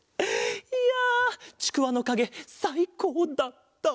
いやちくわのかげさいこうだった。